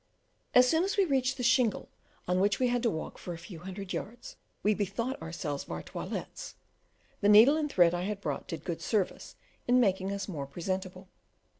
As soon as we reached the shingle, on which we had to walk for a few hundred yards, we bethought ourselves of our toilettes; the needle and thread I had brought did good service in making us more presentable.